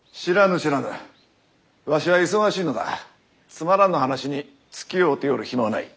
つまらぬ話につきおうておる暇はない。